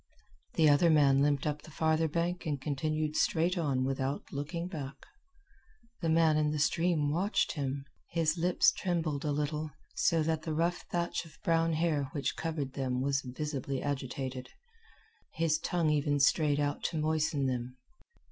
The other man limped up the farther bank and continued straight on without looking back. The man in the stream watched him. His lips trembled a little, so that the rough thatch of brown hair which covered them was visibly agitated. His tongue even strayed out to moisten them.